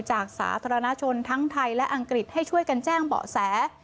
สาธารณชนทั้งไทยและอังกฤษให้ช่วยกันแจ้งเบาะแส